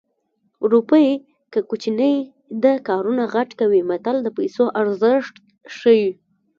روپۍ که کوچنۍ ده کارونه غټ کوي متل د پیسو ارزښت ښيي